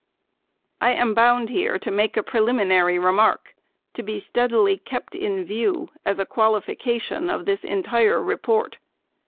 I am bound, here, to make a preliminary remark, to be steadily kept in view as a qualification of this entire re port.